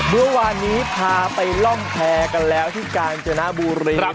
เมื่อวานนี้พาไปล่องแชร์กันแล้วที่กาญจนบุรีครับ